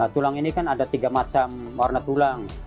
tulang ini kan ada tiga macam warna tulang